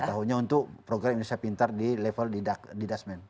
per tahunnya untuk program indonesia pintar di level didaksman